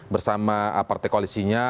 bersama partai koalisinya